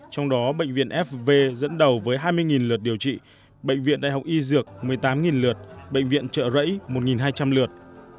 trong đó bệnh viện fv dẫn đầu với hai mươi lượt điều trị bệnh viện đại học y dược một mươi tám lượt bệnh viện trợ rẫy một hai trăm linh lượt